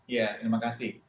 ya terima kasih